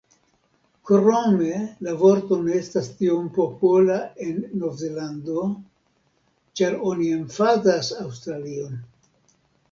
Krome la vorto ne estas tiom popola en Novzelando ĉar oni emfazas Aŭstralion.